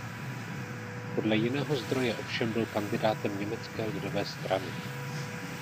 Podle jiného zdroje ovšem byl kandidátem Německé lidové strany.